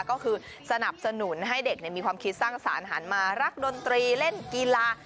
ก็คือสนับสนุนให้เด็กมีความคิดสร้างสรรค์หันมารักดนตรีเล่นกีฬา